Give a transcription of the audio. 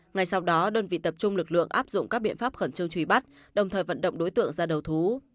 ngay sau đó đơn vị tập trung lực lượng áp dụng các biện pháp khẩn trương truy bắt đồng thời vận động đối tượng ra đầu thú